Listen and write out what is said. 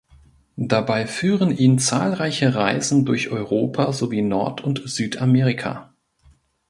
Dabei führen ihn zahlreiche Reisen durch Europa sowie Nord– und Südamerika.